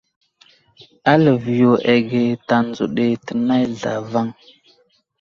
A liviyo age tanzo ɗi tənay zlavaŋ.